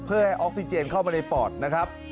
เพื่อให้ออกซิเจนเข้ามาในปอดนะครับ